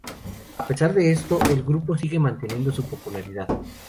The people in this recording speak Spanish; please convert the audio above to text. A pesar de esto, el grupo sigue manteniendo su popularidad.